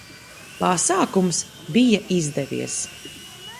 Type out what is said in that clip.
Pasākums bija izdevies!